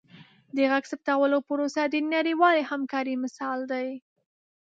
د غږ ثبتولو پروسه د نړیوالې همکارۍ مثال دی.